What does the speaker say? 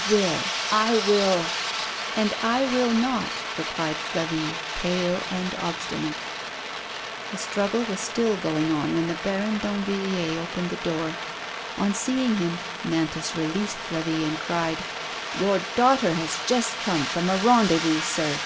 'a will— I will " '^And I will not," replied Flavie, pale and obstinate. A SPOILED TRIUMPH. 93 The struggle was still going on when Baron Dan villiers opened the door. On seeing him, Nantas re leased Flavie and cried ; "Your daughter has just come from a rendezvous, sir!